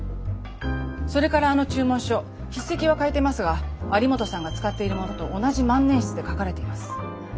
それからあの注文書筆跡は変えてますが有本さんが使っているものと同じ万年筆で書かれています。